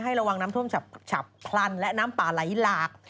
ระวังน้ำท่วมฉับพลันและน้ำป่าไหลหลาก